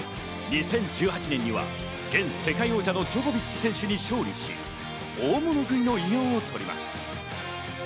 ２０１８年には現世界王者のジョコビッチ選手に勝利し、大物食いの異名をとります。